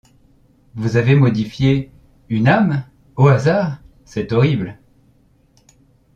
Vous avez modifié… une âme ! au hasard ? c’est horrible !